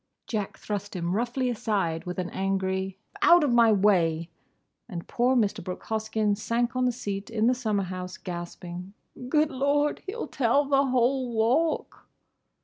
Jack thrust him roughly aside with an angry, "Out of my way!" and poor Mr. Brooke Hoskyn sank on the seat in the summer house, gasping, "Good Lord! He'll tell the whole Walk!"